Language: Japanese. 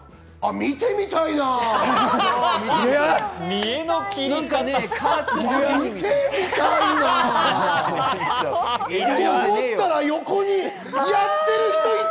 見てみたいなと思ったら横にやってる人がいた。